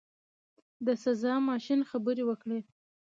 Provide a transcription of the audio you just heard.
د سزا ماشین خبرې وکړې.